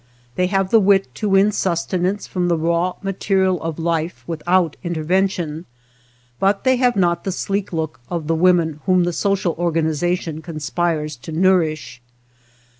They have the wit to win sus tenance from the raw material of life with out intervention, but they have not the sleek look of the women whom the social organization conspires to nourish.